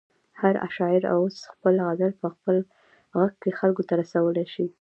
هر شاعر اوس خپل غزل په خپل غږ کې خلکو ته رسولی شي.